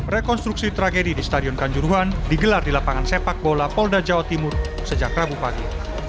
rekonstruksi tragedi di stadion kanjuruhan digelar di lapangan sepak bola polda jawa timur sejak rabu pagi